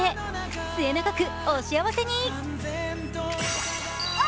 末永くお幸せに。